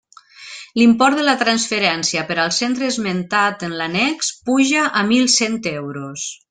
L'import de la transferència per al centre esmentat en l'annex puja a mil cent euros.